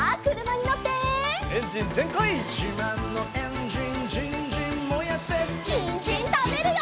にんじんたべるよ！